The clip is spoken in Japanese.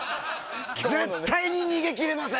絶対に逃げ切れません。